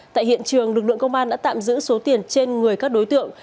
tại hiện trường lực lượng công an đã tạm giữ số tiền trên người các đối tượng